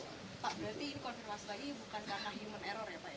pak berarti ini konfirmasi lagi bukan karena human error ya pak ya